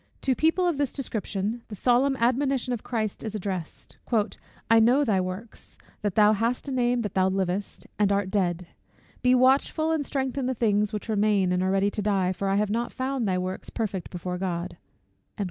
To people of this description, the solemn admonition of Christ is addressed; "I know thy works; that thou hast a name that thou livest, and art dead. Be watchful, and strengthen the things which remain that are ready to die; for I have not found thy works perfect before God."